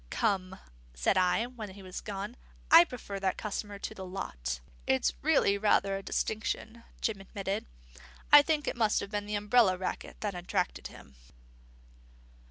"Come," said I, when he was gone, "I prefer that customer to the lot." "It's really rather a distinction," Jim admitted. "I think it must have been the umbrella racket that attracted him."